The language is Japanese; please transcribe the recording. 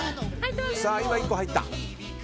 今１個入った。